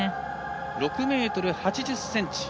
６ｍ８０ｃｍ。